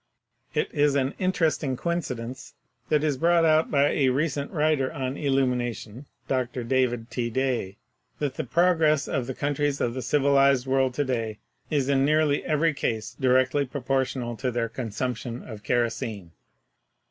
It is an interesting; coincidence that is brought out by a recent writer on illumination, Dr. David T. Day, that the progress of the countries of the civilized world to day is in nearly every case directly proportional to their consumption of kero sene.